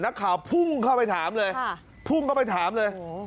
นักข่าวพุ่งเข้าไปถามเลยพุ่งเข้าไปถามเลย